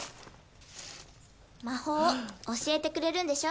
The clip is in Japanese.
魔法教えてくれるんでしょ？